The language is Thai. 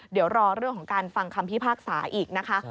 เดี๋ยวรอเรื่องของการฟังคำพิพากษาอีกนะคะ